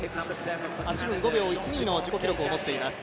８分５秒１５の自己記録を持っています。